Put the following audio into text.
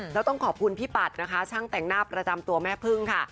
แล้วต้องขอบคุณพี่ปัดนะคะช่างแต่งหน้าประจำตัวแม่พึ่งค่ะ